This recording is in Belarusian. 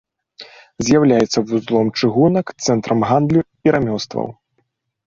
З'яўляецца вузлом чыгунак, цэнтрам гандлю і рамёстваў.